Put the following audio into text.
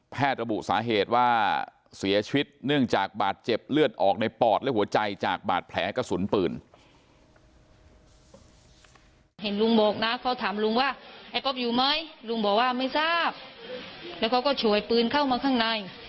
แพทย์ระบุสาเหตุว่าเสียชีวิตเนื่องจากบาดเจ็บเลือดออกในปอดและหัวใจจากบาดแผลกระสุนปืน